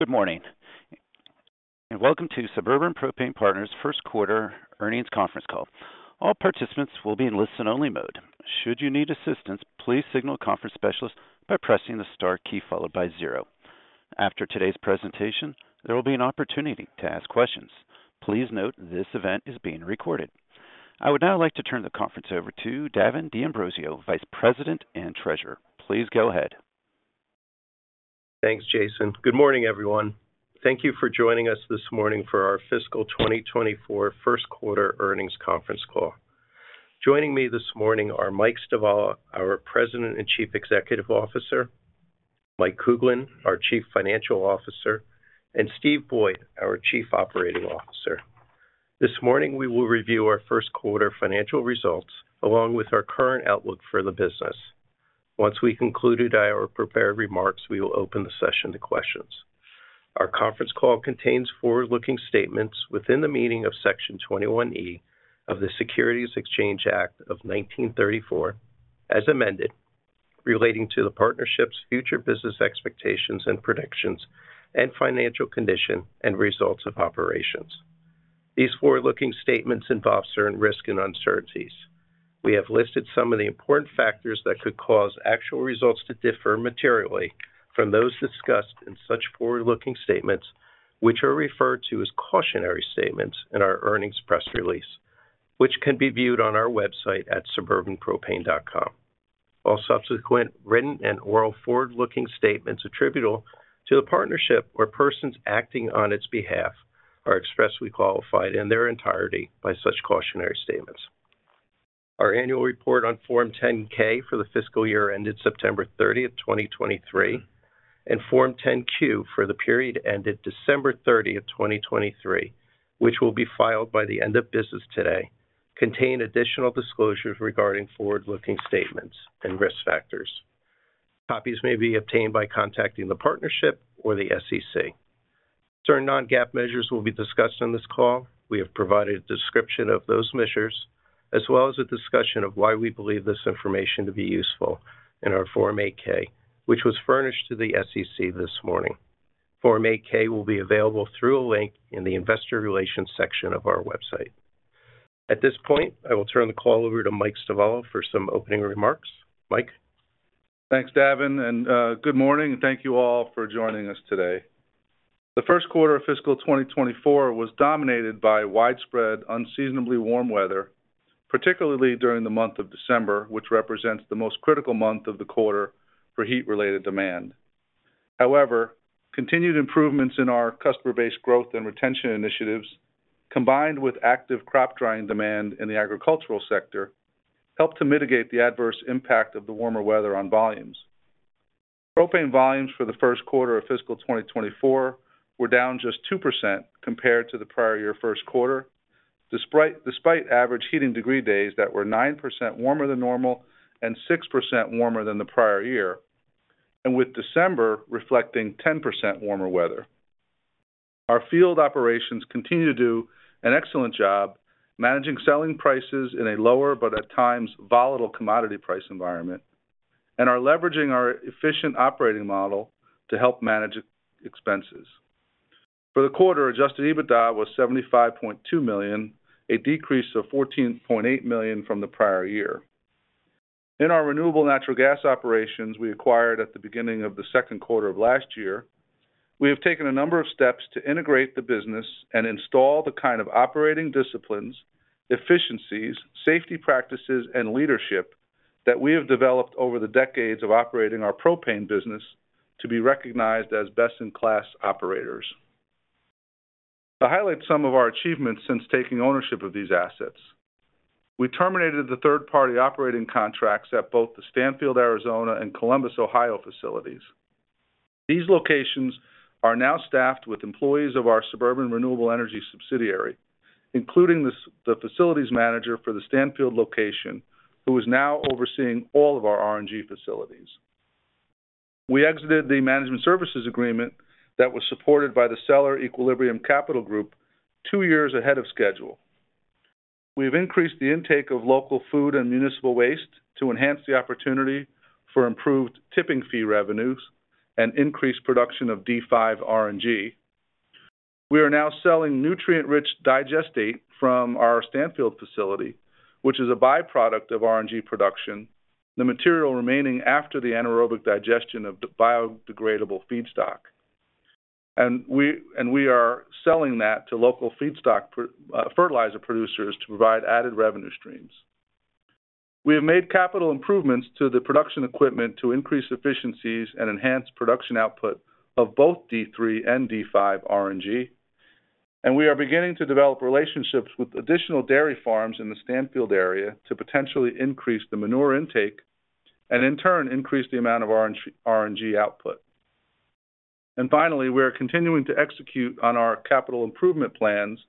Good morning, and welcome to Suburban Propane Partners' Q1 earnings conference call. All participants will be in listen-only mode. Should you need assistance, please signal the conference specialist by pressing the star key, followed by zero. After today's presentation, there will be an opportunity to ask questions. Please note, this event is being recorded. I would now like to turn the conference over to Davin D'Ambrosio, Vice President and Treasurer. Please go ahead. Thanks, Jason. Good morning, everyone. Thank you for joining us this morning for our fiscal 2024 Q1 earnings conference call. Joining me this morning are Mike Stivala, our President and Chief Executive Officer, Mike Kuglin, our Chief Financial Officer, and Steve Boyd, our Chief Operating Officer. This morning, we will review our Q1 financial results, along with our current outlook for the business. Once we've concluded our prepared remarks, we will open the session to questions. Our conference call contains forward-looking statements within the meaning of Section 21E of the Securities Exchange Act of 1934, as amended, relating to the partnership's future business expectations and predictions, and financial condition and results of operations. These forward-looking statements involve certain risk and uncertainties. We have listed some of the important factors that could cause actual results to differ materially from those discussed in such forward-looking statements, which are referred to as cautionary statements in our earnings press release, which can be viewed on our website at suburbanpropane.com. All subsequent written and oral forward-looking statements attributable to the partnership or persons acting on its behalf are expressly qualified in their entirety by such cautionary statements. Our annual report on Form 10-K for the fiscal year ended September 30, 2023, and Form 10-Q for the period ended December 30, 2023, which will be filed by the end of business today, contain additional disclosures regarding forward-looking statements and risk factors. Copies may be obtained by contacting the partnership or the SEC. Certain non-GAAP measures will be discussed on this call. We have provided a description of those measures, as well as a discussion of why we believe this information to be useful in our Form 8-K, which was furnished to the SEC this morning. Form 8-K will be available through a link in the Investor Relations section of our website. At this point, I will turn the call over to Mike Stivala for some opening remarks. Mike? Thanks, Davin, and good morning, and thank you all for joining us today. The Q1 of fiscal 2024 was dominated by widespread, unseasonably warm weather, particularly during the month of December, which represents the most critical month of the quarter for heat-related demand. However, continued improvements in our customer base growth and retention initiatives, combined with active crop drying demand in the agricultural sector, helped to mitigate the adverse impact of the warmer weather on volumes. Propane volumes for the Q1 of fiscal 2024 were down just 2% compared to the prior year Q1, despite average heating degree days that were 9% warmer than normal and 6% warmer than the prior year, and with December reflecting 10% warmer weather. Our field operations continue to do an excellent job managing selling prices in a lower but at times volatile commodity price environment and are leveraging our efficient operating model to help manage operating expenses. For the quarter, Adjusted EBITDA was $75.2 million, a decrease of $14.8 million from the prior year. In our renewable natural gas operations we acquired at the beginning of the Q2 of last year, we have taken a number of steps to integrate the business and install the kind of operating disciplines, efficiencies, safety practices, and leadership that we have developed over the decades of operating our propane business to be recognized as best-in-class operators. To highlight some of our achievements since taking ownership of these assets, we terminated the third-party operating contracts at both the Stanfield, Arizona and Columbus, Ohio, facilities. These locations are now staffed with employees of our Suburban Renewable Energy subsidiary, including the facilities manager for the Stanfield location, who is now overseeing all of our RNG facilities. We exited the management services agreement that was supported by the seller, Equilibrium Capital Group, two years ahead of schedule. We've increased the intake of local food and municipal waste to enhance the opportunity for improved tipping fee revenues and increased production of D5 RNG. We are now selling nutrient-rich digestate from our Stanfield facility, which is a byproduct of RNG production, the material remaining after the anaerobic digestion of the biodegradable feedstock. And we are selling that to local fertilizer producers to provide added revenue streams. We have made capital improvements to the production equipment to increase efficiencies and enhance production output of both D3 and D5 RNG, and we are beginning to develop relationships with additional dairy farms in the Stanfield area to potentially increase the manure intake and, in turn, increase the amount of RNG, RNG output. And finally, we are continuing to execute on our capital improvement plans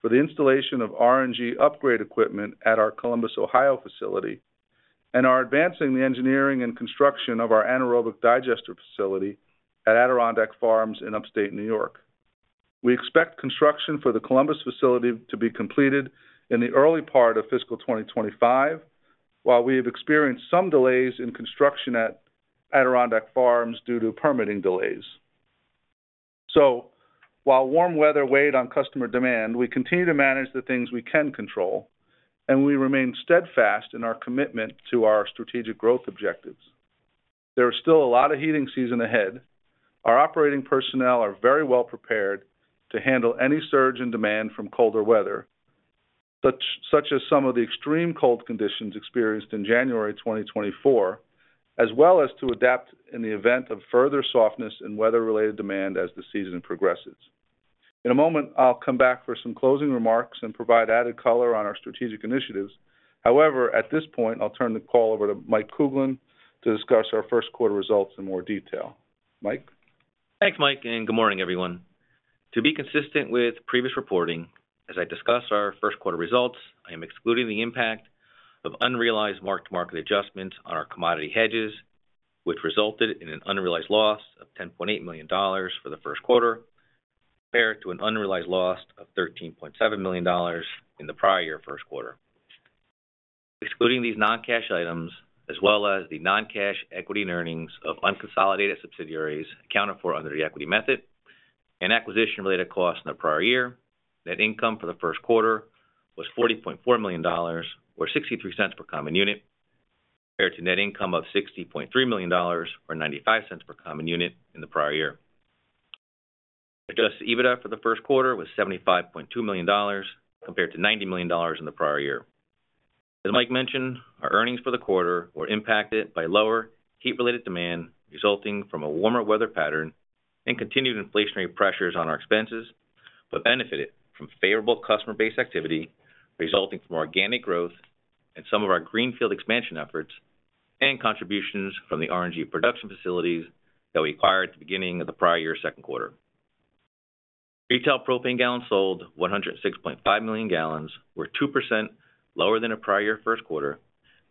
for the installation of RNG upgrade equipment at our Columbus, Ohio, facility and are advancing the engineering and construction of our anaerobic digester facility at Adirondack Farms in upstate New York. We expect construction for the Columbus facility to be completed in the early part of fiscal 2025, while we have experienced some delays in construction at Adirondack Farms due to permitting delays. So while warm weather weighed on customer demand, we continue to manage the things we can control, and we remain steadfast in our commitment to our strategic growth objectives. There is still a lot of heating season ahead. Our operating personnel are very well prepared to handle any surge in demand from colder weather, such as some of the extreme cold conditions experienced in January 2024, as well as to adapt in the event of further softness in weather-related demand as the season progresses. In a moment, I'll come back for some closing remarks and provide added color on our strategic initiatives. However, at this point, I'll turn the call over to Mike Kuglin, to discuss our Q1 results in more detail. Mike? Thanks, Mike, and good morning, everyone. To be consistent with previous reporting, as I discuss our Q1 results, I am excluding the impact of unrealized mark-to-market adjustments on our commodity hedges, which resulted in an unrealized loss of $10.8 million for the Q1, compared to an unrealized loss of $13.7 million in the prior year Q1. Excluding these non-cash items, as well as the non-cash equity and earnings of unconsolidated subsidiaries accounted for under the equity method and acquisition-related costs in the prior year, net income for the Q1 was $40.4 million, or $0.63 per common unit, compared to net income of $60.3 million, or $0.95 per common unit in the prior year. Adjusted EBITDA for the Q1 was $75.2 million, compared to $90 million in the prior year. As Mike mentioned, our earnings for the quarter were impacted by lower heat-related demand, resulting from a warmer weather pattern and continued inflationary pressures on our expenses, but benefited from favorable customer base activity, resulting from organic growth and some of our greenfield expansion efforts and contributions from the RNG production facilities that we acquired at the beginning of the prior year's Q2. Retail propane gallons sold 106.5 million gallons, were 2% lower than the prior year Q1,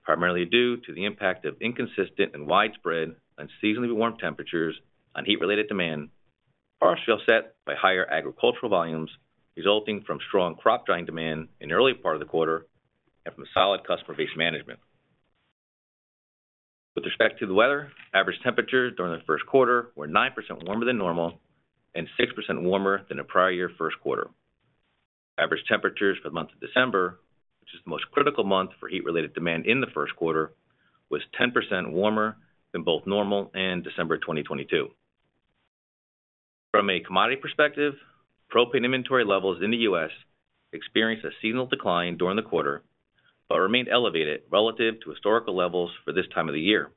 primarily due to the impact of inconsistent and widespread unseasonably warm temperatures on heat-related demand, partially offset by higher agricultural volumes resulting from strong crop drying demand in the early part of the quarter and from a solid customer base management. With respect to the weather, average temperatures during the Q1 were 9% warmer than normal and 6% warmer than the prior year Q1. Average temperatures for the month of December, which is the most critical month for heat-related demand in the Q1, was 10% warmer than both normal and December 2022. From a commodity perspective, propane inventory levels in the U.S. experienced a seasonal decline during the quarter, but remained elevated relative to historical levels for this time of the year.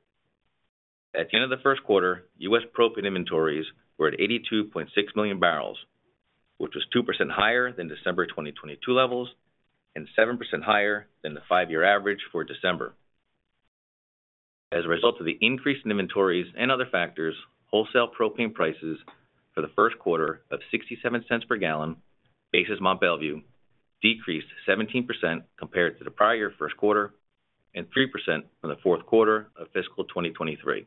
At the end of the Q1, U.S. propane inventories were at 82.6 million barrels, which was 2% higher than December 2022 levels and 7% higher than the 5-year average for December. As a result of the increase in inventories and other factors, wholesale propane prices for the Q1 of $0.67 per gallon, basis Mont Belvieu, decreased 17% compared to the prior year Q1 and 3% from the Q4 of fiscal 2023.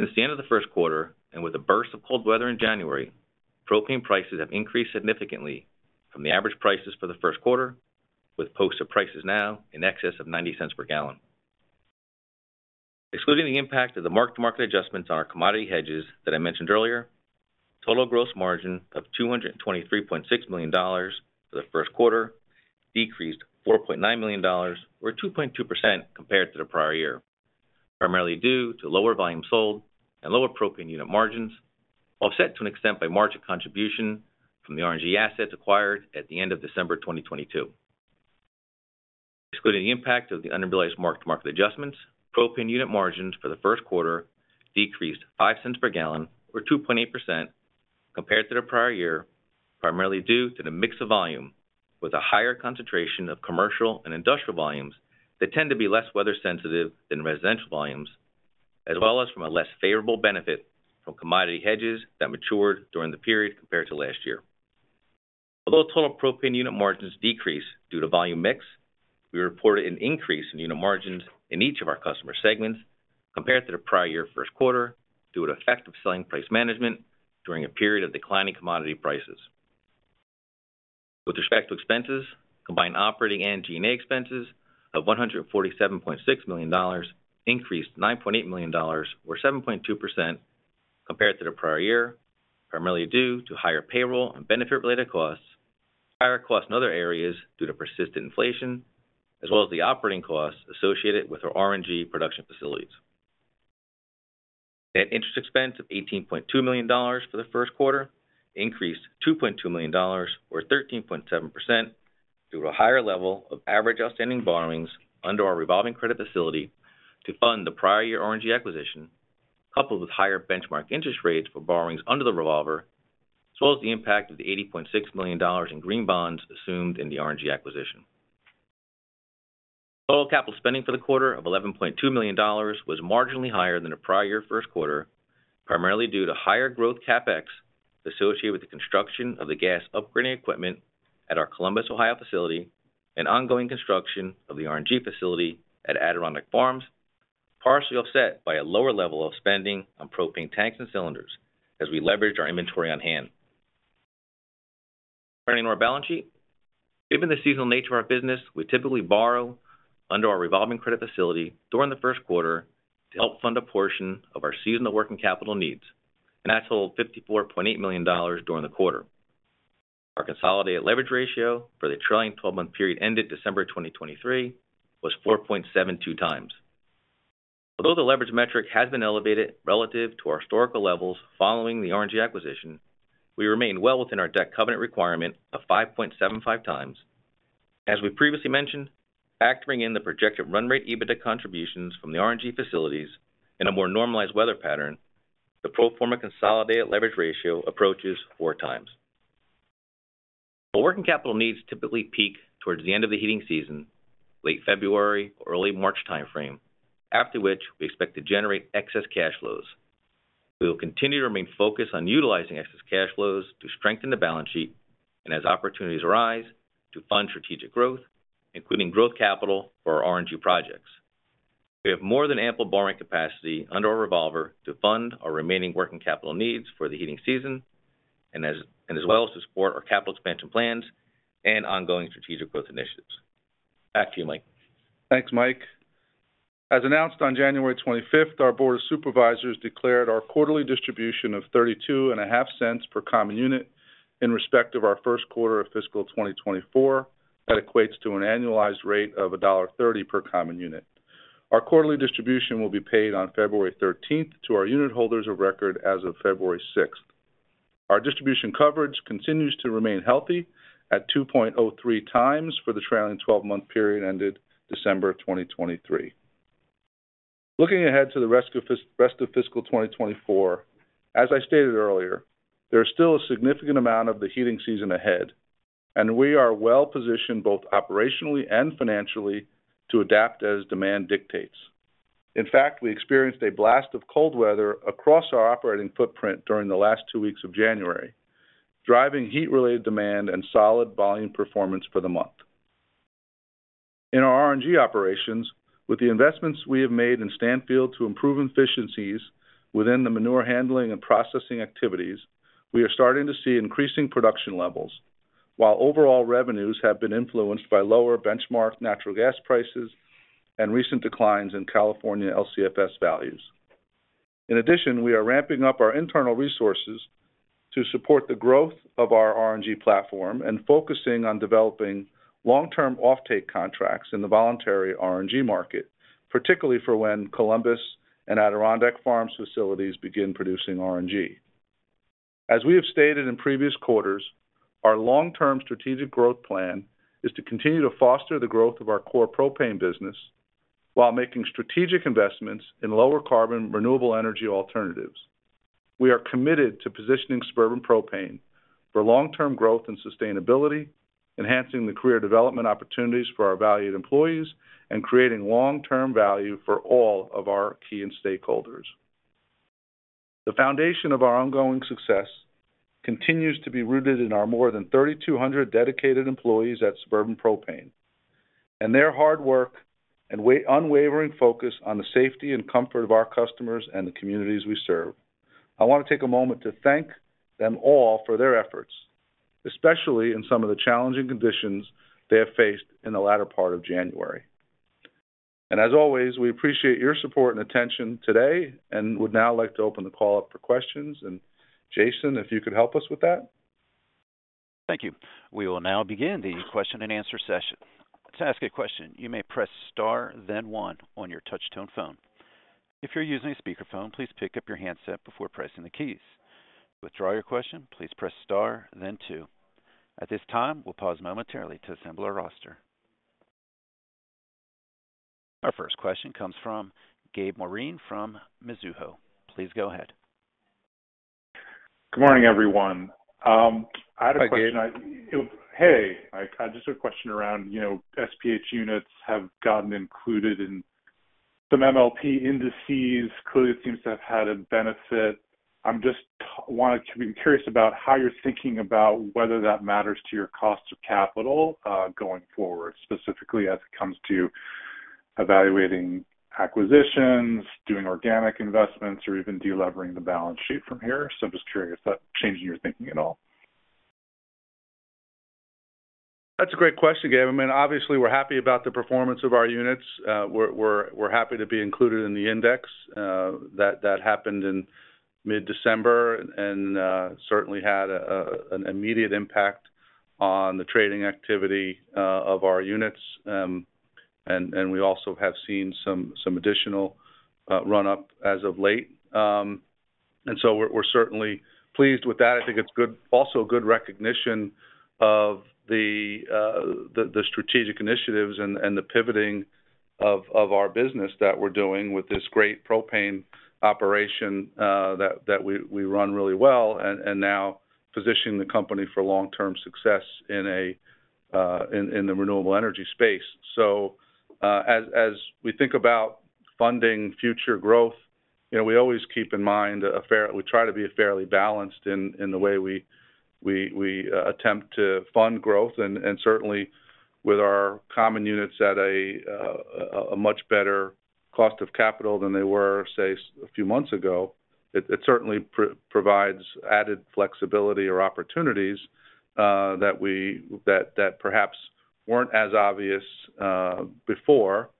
Since the end of the Q1, and with a burst of cold weather in January, propane prices have increased significantly from the average prices for the Q1, with posted prices now in excess of $0.90 per gallon. Excluding the impact of the mark-to-market adjustments on our commodity hedges that I mentioned earlier, total gross margin of $223.6 million for the Q1 decreased $4.9 million, or 2.2%, compared to the prior year, primarily due to lower volume sold and lower propane unit margins, offset to an extent by margin contribution from the RNG assets acquired at the end of December 2022. Excluding the impact of the unrealized mark-to-market adjustments, propane unit margins for the Q1 decreased $0.05 per gallon, or 2.8%, compared to the prior year, primarily due to the mix of volume, with a higher concentration of commercial and industrial volumes that tend to be less weather sensitive than residential volumes, as well as from a less favorable benefit from commodity hedges that matured during the period compared to last year. Although total propane unit margins decreased due to volume mix, we reported an increase in unit margins in each of our customer segments compared to the prior year Q1, due to effective selling price management during a period of declining commodity prices. With respect to expenses, combined operating and G&A expenses of $147.6 million increased $9.8 million, or 7.2%, compared to the prior year, primarily due to higher payroll and benefit-related costs, higher costs in other areas due to persistent inflation, as well as the operating costs associated with our RNG production facilities. Net interest expense of $18.2 million for the Q1 increased $2.2 million, or 13.7%, due to a higher level of average outstanding borrowings under our revolving credit facility to fund the prior year RNG acquisition, coupled with higher benchmark interest rates for borrowings under the revolver, as well as the impact of the $80.6 million in green bonds assumed in the RNG acquisition. Total capital spending for the quarter of $11.2 million was marginally higher than the prior year Q1, primarily due to higher growth CapEx associated with the construction of the gas upgrading equipment at our Columbus, Ohio, facility and ongoing construction of the RNG facility at Adirondack Farms, partially offset by a lower level of spending on propane tanks and cylinders as we leverage our inventory on hand. Turning to our balance sheet, given the seasonal nature of our business, we typically borrow under our revolving credit facility during the Q1 to help fund a portion of our seasonal working capital needs, and that totaled $54.8 million during the quarter. Our consolidated leverage ratio for the trailing twelve-month period ended December 2023 was 4.72 times. Although the leverage metric has been elevated relative to our historical levels following the RNG acquisition, we remain well within our debt covenant requirement of 5.75 times. As we previously mentioned, factoring in the projected run rate EBITDA contributions from the RNG facilities in a more normalized weather pattern, the pro forma consolidated leverage ratio approaches 4 times. Our working capital needs typically peak towards the end of the heating season, late February or early March timeframe, after which we expect to generate excess cash flows. We will continue to remain focused on utilizing excess cash flows to strengthen the balance sheet and, as opportunities arise, to fund strategic growth, including growth capital for our RNG projects. We have more than ample borrowing capacity under our revolver to fund our remaining working capital needs for the heating season, and as well as to support our capital expansion plans and ongoing strategic growth initiatives. Back to you, Mike. Thanks, Mike. As announced on January 25, our Board of Directors declared our quarterly distribution of $0.325 per common unit in respect of our Q1 of fiscal 2024. That equates to an annualized rate of $1.30 per common unit. Our quarterly distribution will be paid on February 13 to our unit holders of record as of February 6. Our distribution coverage continues to remain healthy at 2.03 times for the trailing twelve-month period ended December 2023. Looking ahead to the rest of fiscal 2024, as I stated earlier, there is still a significant amount of the heating season ahead, and we are well positioned, both operationally and financially, to adapt as demand dictates. In fact, we experienced a blast of cold weather across our operating footprint during the last two weeks of January, driving heat-related demand and solid volume performance for the month. In our RNG operations, with the investments we have made in Stanfield to improve efficiencies within the manure handling and processing activities, we are starting to see increasing production levels, while overall revenues have been influenced by lower benchmark natural gas prices and recent declines in California LCFS values. In addition, we are ramping up our internal resources to support the growth of our RNG platform and focusing on developing long-term offtake contracts in the voluntary RNG market, particularly for when Columbus and Adirondack Farms facilities begin producing RNG. As we have stated in previous quarters, our long-term strategic growth plan is to continue to foster the growth of our core propane business while making strategic investments in lower carbon, renewable energy alternatives. We are committed to positioning Suburban Propane for long-term growth and sustainability, enhancing the career development opportunities for our valued employees, and creating long-term value for all of our key end stakeholders. The foundation of our ongoing success continues to be rooted in our more than 3,200 dedicated employees at Suburban Propane, and their hard work and unwavering focus on the safety and comfort of our customers and the communities we serve. I want to take a moment to thank them all for their efforts, especially in some of the challenging conditions they have faced in the latter part of January. As always, we appreciate your support and attention today and would now like to open the call up for questions. Jason, if you could help us with that. Thank you. We will now begin the question and answer session. To ask a question, you may press Star, then 1 on your touch tone phone. If you're using a speakerphone, please pick up your handset before pressing the keys. To withdraw your question, please press Star, then 2. At this time, we'll pause momentarily to assemble our roster. Our first question comes from Gabe Moreen from Mizuho. Please go ahead. Good morning, everyone. I had a question- Hi, Gabe. Hey, I just had a question around, you know, SPH units have gotten included in some MLP indices. Clearly, it seems to have had a benefit. I'm just curious about how you're thinking about whether that matters to your cost of capital, going forward, specifically as it comes to evaluating acquisitions, doing organic investments, or even delevering the balance sheet from here. So I'm just curious if that's changing your thinking at all. That's a great question, Gabe. I mean, obviously, we're happy about the performance of our units. We're happy to be included in the index. That happened in mid-December and certainly had an immediate impact on the trading activity of our units. And we also have seen some additional run-up as of late. And so we're certainly pleased with that. I think it's also a good recognition of the strategic initiatives and the pivoting of our business that we're doing with this great propane operation that we run really well and now positioning the company for long-term success in the renewable energy space. So, as we think about funding future growth... You know, we always keep in mind we try to be fairly balanced in the way we attempt to fund growth. And certainly with our common units at a much better cost of capital than they were, say, a few months ago, it certainly provides added flexibility or opportunities that perhaps weren't as obvious before.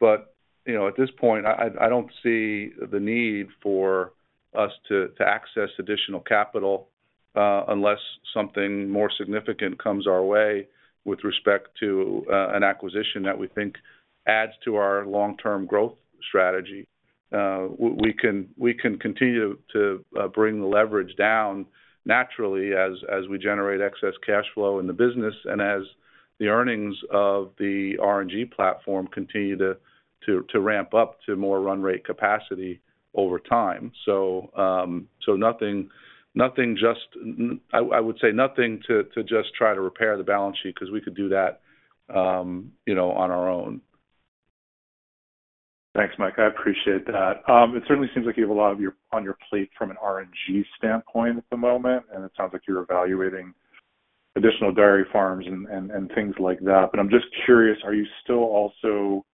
But you know, at this point, I don't see the need for us to access additional capital unless something more significant comes our way with respect to an acquisition that we think adds to our long-term growth strategy. We can continue to bring the leverage down naturally as we generate excess cash flow in the business and as the earnings of the RNG platform continue to ramp up to more run rate capacity over time. So, nothing just. I would say nothing to just try to repair the balance sheet, 'cause we could do that, you know, on our own. Thanks, Mike. I appreciate that. It certainly seems like you have a lot on your plate from an RNG standpoint at the moment, and it sounds like you're evaluating additional dairy farms and things like that. But I'm just curious, are you still also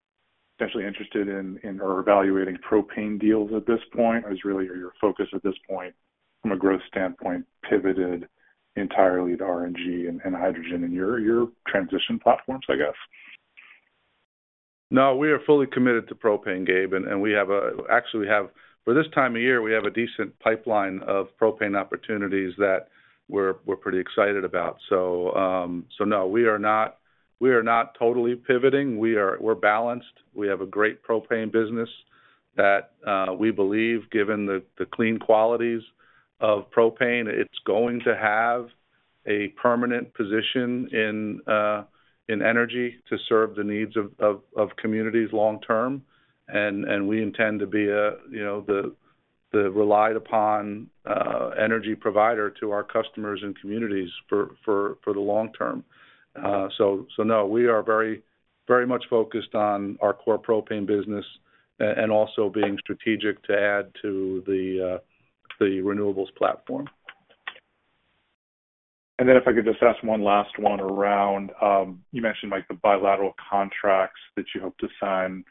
potentially interested in or evaluating propane deals at this point? Or is really your focus at this point, from a growth standpoint, pivoted entirely to RNG and hydrogen in your transition platforms, I guess? No, we are fully committed to propane, Gabe, and actually, for this time of year, we have a decent pipeline of propane opportunities that we're pretty excited about. So, so no, we are not, we are not totally pivoting. We are. We're balanced. We have a great propane business that we believe, given the, the clean qualities of propane, it's going to have a permanent position in, in energy to serve the needs of, of, of communities long term. And, and we intend to be a, you know, the, the relied upon, energy provider to our customers and communities for, for, for the long term. So, so no, we are very, very much focused on our core propane business and also being strategic to add to the, the renewables platform. And then if I could just ask one last one around... you mentioned, Mike, the bilateral contracts that you hope to sign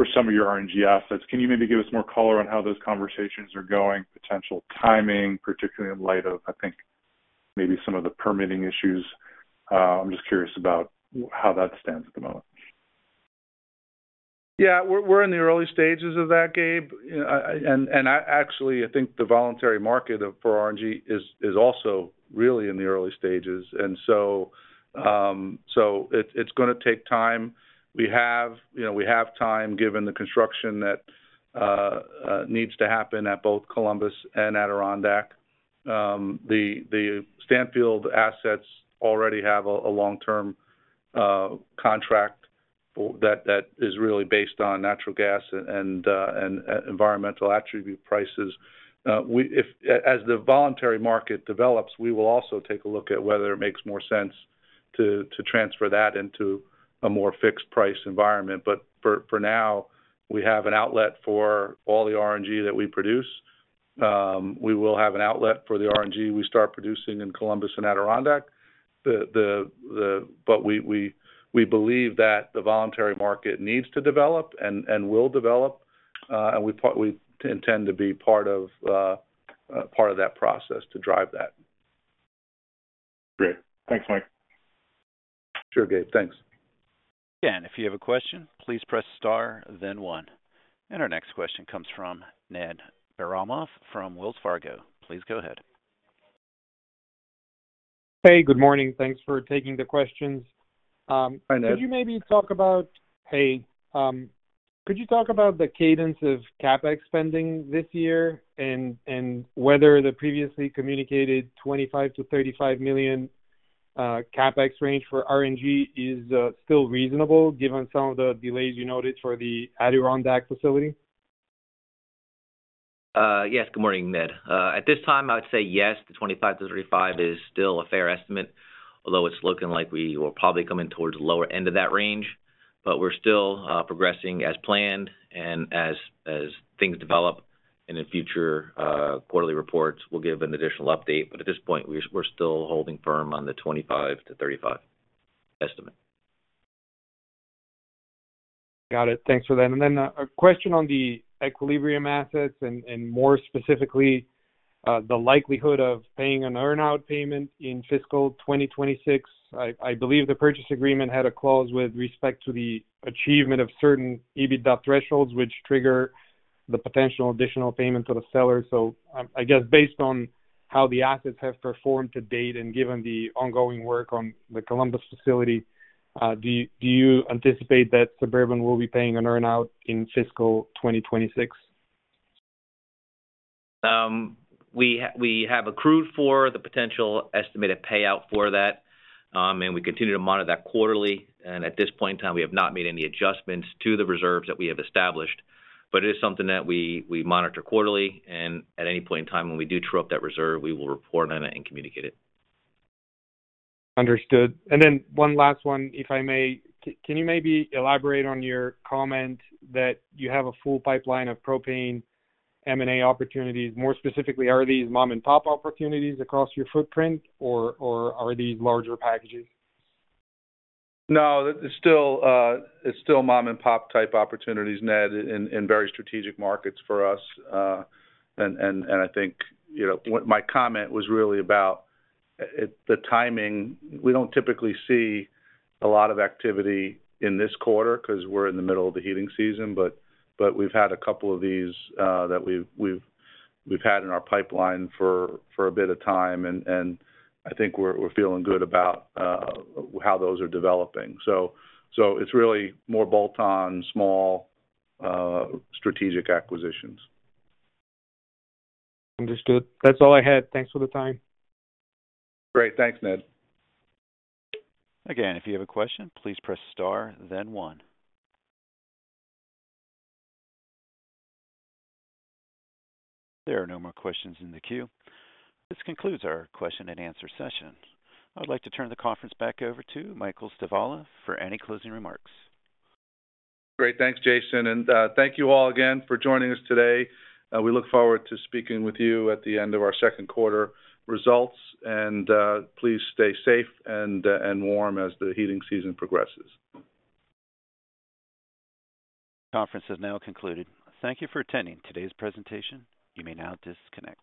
for some of your RNG assets. Can you maybe give us more color on how those conversations are going, potential timing, particularly in light of, I think, maybe some of the permitting issues? I'm just curious about how that stands at the moment. Yeah. We're in the early stages of that, Gabe. And I actually think the voluntary market for RNG is also really in the early stages, and so it's gonna take time. We have, you know, we have time, given the construction that needs to happen at both Columbus and Adirondack. The Stanfield assets already have a long-term contract that is really based on natural gas and environmental attribute prices. As the voluntary market develops, we will also take a look at whether it makes more sense to transfer that into a more fixed price environment. But for now, we have an outlet for all the RNG that we produce. We will have an outlet for the RNG we start producing in Columbus and Adirondack. But we believe that the voluntary market needs to develop and will develop, and we intend to be part of that process to drive that. Great. Thanks, Mike. Sure, Gabe. Thanks. Again, if you have a question, please press star then one. Our next question comes from Ned Baramov from Wells Fargo. Please go ahead. Hey, good morning. Thanks for taking the questions. Hi, Ned. Could you talk about the cadence of CapEx spending this year and whether the previously communicated $25-35 million CapEx range for RNG is still reasonable, given some of the delays you noted for the Adirondack facility? Yes. Good morning, Ned. At this time, I would say yes, the 25-35 is still a fair estimate, although it's looking like we will probably come in towards the lower end of that range. But we're still progressing as planned, and as things develop in the future, quarterly reports, we'll give an additional update. But at this point, we're still holding firm on the 25-35 estimate. Got it. Thanks for that. And then, a question on the Equilibrium assets and, more specifically, the likelihood of paying an earn-out payment in fiscal 2026. I believe the purchase agreement had a clause with respect to the achievement of certain EBITDA thresholds, which trigger the potential additional payment to the seller. So I guess, based on how the assets have performed to date and given the ongoing work on the Columbus facility, do you anticipate that Suburban will be paying an earn-out in fiscal 2026? We have accrued for the potential estimated payout for that, and we continue to monitor that quarterly. At this point in time, we have not made any adjustments to the reserves that we have established, but it is something that we monitor quarterly, and at any point in time when we do true up that reserve, we will report on it and communicate it. Understood. And then one last one, if I may. Can you maybe elaborate on your comment that you have a full pipeline of propane M&A opportunities? More specifically, are these mom-and-pop opportunities across your footprint, or, or are these larger packages? No, it's still, it's still mom-and-pop type opportunities, Ned, in, in very strategic markets for us. And I think, you know, what my comment was really about, it, the timing. We don't typically see a lot of activity in this quarter, 'cause we're in the middle of the heating season, but we've had a couple of these, that we've had in our pipeline for a bit of time, and I think we're feeling good about how those are developing. So it's really more bolt-on, small, strategic acquisitions. Understood. That's all I had. Thanks for the time. Great. Thanks, Ned. Again, if you have a question, please press star then one. There are no more questions in the queue. This concludes our question and answer session. I'd like to turn the conference back over to Michael Stivala for any closing remarks. Great. Thanks, Jason, and thank you all again for joining us today. We look forward to speaking with you at the end of our Q2 results. Please stay safe and warm as the heating season progresses. Conference has now concluded. Thank you for attending today's presentation. You may now disconnect.